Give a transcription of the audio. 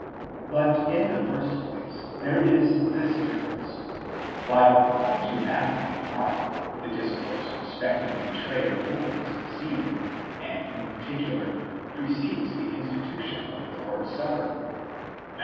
But in the first place there is this difference: while according to Matthew and Mark the discourse respecting the betrayer opens the scene, and in par ticular precedes the institution of the Lord's supper (Matt.